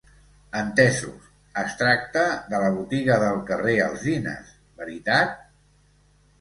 Entesos, es tracta de la botiga del carrer Alzines, veritat?